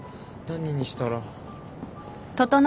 何にしたら。